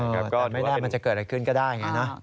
แต่ก็ไม่ได้มันจะเกิดอะไรขึ้นก็ได้ไงนะ